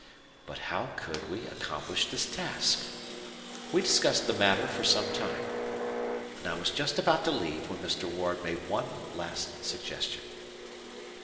But how could we accomplish this task? We discussed the matter for some time; and I was just about to leave when Mr. Ward made one last suggestion.